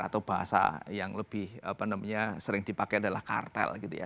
atau bahasa yang lebih apa namanya sering dipakai adalah kartel gitu ya